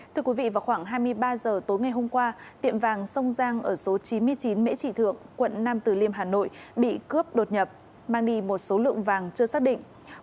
thưa quý vị vào khoảng hai mươi ba h tối ngày hôm qua tiệm vàng sông giang ở số chín mươi chín mễ trì thượng quận nam từ liêm hà nội bị cướp đột nhập mang đi một số lượng vàng chưa xác định